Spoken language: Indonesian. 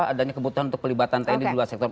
adanya kebutuhan untuk pelibatan tni di dua sektor